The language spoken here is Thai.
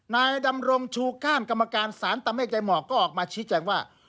นายดำรงชูก้านกรรมการสารตะเมฆใจหมอกก็ออกมาชี้แจงว่า